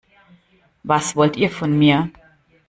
Was wollt ihr von mir?